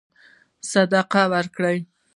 صدقه ورکړي.